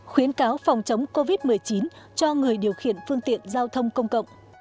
khuyến cáo phòng chống covid một mươi chín cho người điều khiển phương tiện giao thông công cộng